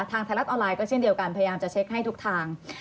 ไทยรัฐออนไลน์ก็เช่นเดียวกันพยายามจะเช็คให้ทุกทาง